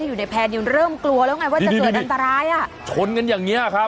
อยู่ในแพนยังเริ่มกลัวแล้วไงว่าจะเกิดอันตรายอ่ะชนกันอย่างเงี้ยครับ